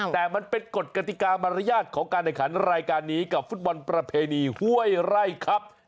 แต่มันเป็นกฎกติกามารยาทของการแข่งขันรายการนี้กับฟุตบอลประเพณีห้วยไร่ครับ